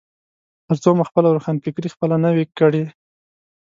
ترڅو مو خپله روښانفکري خپله نه وي کړي.